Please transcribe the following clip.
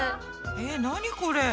えっ何これ？